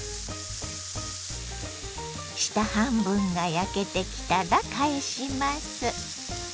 下半分が焼けてきたら返します。